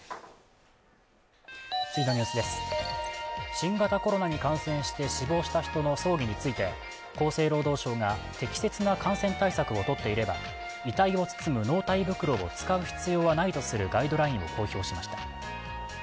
新型コロナに感染して死亡した人の葬儀について厚生労働省が適切な感染対策を取っていれば、遺体を包む納体袋を使う必要はないとするガイドラインを公表しました。